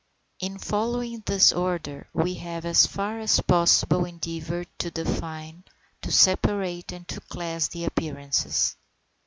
In following this order we have as far as possible endeavoured to define, to separate, and to class the appearances.